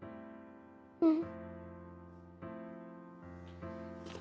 うん。